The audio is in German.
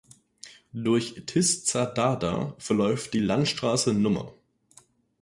Durch Tiszadada verläuft die Landstraße Nr.